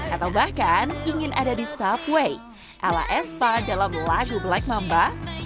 atau bahkan ingin ada di subway ala espa dalam lagu black mamba